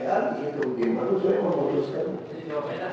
jadi jawabannya kajian diskresi kajian